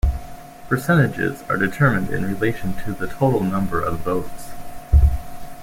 Percentages are determined in relation to the total number of votes.